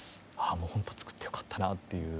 ああもう本当作ってよかったなっていう